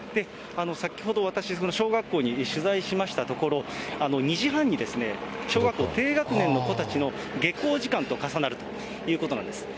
先ほど私、その小学校に取材しましたところ、２時半に、小学校低学年の子たちの下校時間と重なるということなんです。